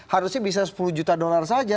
harusnya bisa sepuluh juta dolar saja